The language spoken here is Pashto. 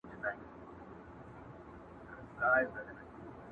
رند به په لاسو کي پیاله نه لري!.